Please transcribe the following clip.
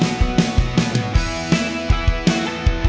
mudah mudahan dengan menang kompetisi ini